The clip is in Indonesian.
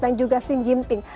dan juga xi jinping